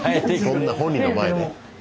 そんな本人の前で。